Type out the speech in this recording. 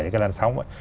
cái làn sóng ấy